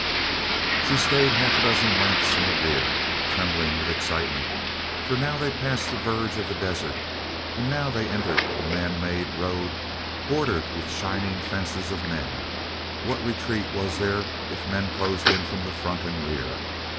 She stayed half a dozen lengths in the rear, trembling with excitement, for now they passed the verge of the desert and now they entered a man made road bordered with shining fences of men; what retreat was there if men closed in from the front and the rear?